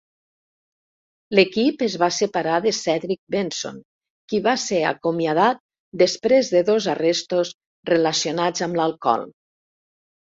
L'equip es va separar de Cedric Benson, qui va ser acomiadat després de dos arrestos relacionats amb l'alcohol.